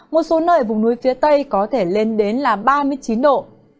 một số nơi vùng núi phía tây có thể lên đến là ba mươi chín độ